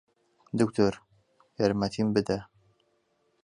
دکتۆر، یارمەتیم بدە!